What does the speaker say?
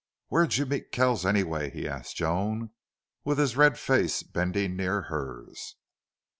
"Where'd you meet Kells anyway?" he asked Joan, with his red face bending near hers.